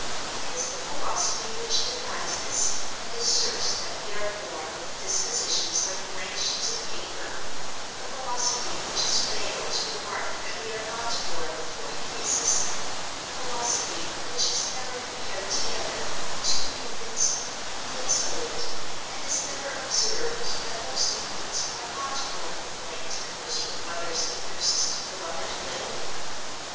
Is the philosophy which denies this and asserts that we are born with dispositions like blank sheets of paper a philosophy which has failed to remark that we are not born with blank faces—a philosophy which has never compared together two infants of a few days old, and has never observed that those infants are not born with blank tempers for mothers and nurses to fill up at will?